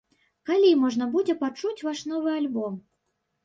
Калі можна будзе пачуць ваш новы альбом?